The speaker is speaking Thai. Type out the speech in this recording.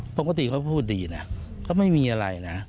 ปกติเขาพูดดีนะเขาไม่มีอะไรนะ